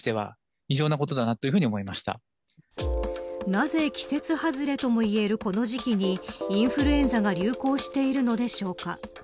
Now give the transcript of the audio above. なぜ季節外れともいえるこの時期にインフルエンザが流行しているのでしょうか。